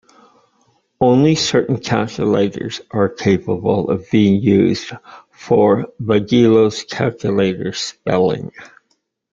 Only certain calculators are capable of being used for beghilos calculator spelling.